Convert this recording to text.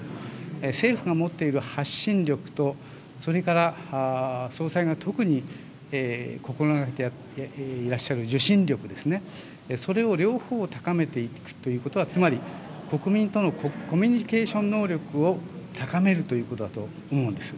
政府が持っている発信力と、それから総裁が特に心がけていらっしゃる受信力ですね、それを両方を高めていくということは、つまり国民とのコミュニケーション能力を高めるということだと思うんです。